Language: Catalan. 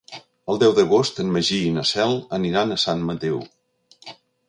El deu d'agost en Magí i na Cel aniran a Sant Mateu.